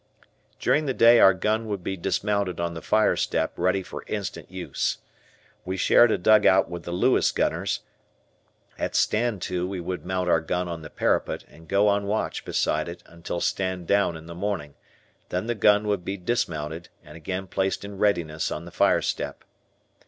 During the day our gun would be dismounted on the fire step ready for instant use. We shared a dugout with the Lewis gunners, at "stand to" we would mount our gun on the parapet and go on watch beside it until "stand down" in the morning, then the gun would be dismounted and again placed in readiness on the fire step.